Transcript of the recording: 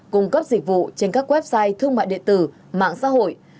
cung cấp dịch vụ trên các website thương mại điện tử mạng xã hội